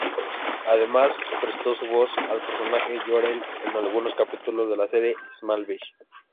Además, prestó su voz al personaje Jor-El en algunos capítulos de la serie "Smallville".